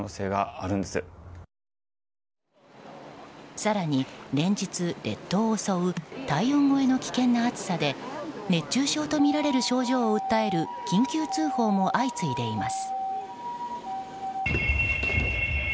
更に連日、列島を覆う体温超えの危険な暑さで熱中症とみられる症状を訴える緊急通報も相次いでいます。